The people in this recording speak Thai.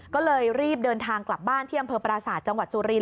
ก็เลยรีบเดินทางกลับบ้านที่อำเภอปราศาสตร์จังหวัดสุรินท